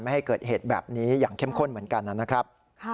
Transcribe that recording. ให้เกิดเหตุแบบนี้อย่างเข้มข้นเหมือนกันนะครับ